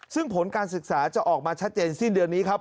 ซึ่งผลการศึกษาจะออกมาชัดเจนสิ้นเดือนนี้ครับ